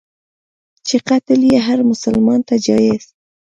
چي قتل یې هرمسلمان ته جایز.